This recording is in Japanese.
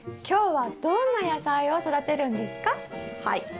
今日はどんな野菜を育てるんですか？